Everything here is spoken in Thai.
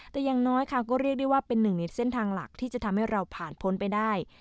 แต่อย่างน้อยค่ะก็เรียกได้ว่าเป็นหนึ่งในเส้นทางหลักที่จะทำให้เราผ่านพ้นไปได้